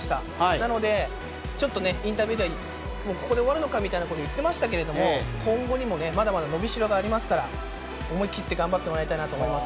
なので、ちょっとインタビューでは、ここで終わるのかみたいなことを言ってましたけど、今後にもまだまだ伸びしろがありますから、思い切って頑張ってもらいたいなと思います。